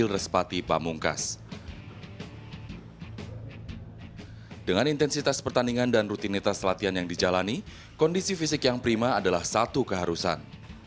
dengan intensitas pertandingan dan rutinitas latihan yang dijalani kondisi fisik yang prima adalah satu keharusan